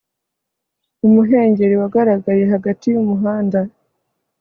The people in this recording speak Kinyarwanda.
umuhengeri wagaragaye hagati yumuhanda